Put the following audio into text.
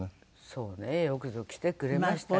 そうねよくぞ来てくれました。